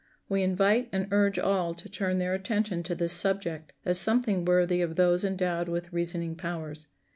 We invite and urge all to turn their attention to this subject as something worthy of those endowed with reasoning powers.